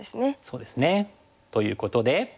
そうですね。ということで。